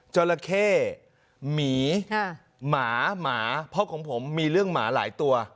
จราเข้หมีหมาหมาเพราะของผมมีเรื่องหมาหลายตัว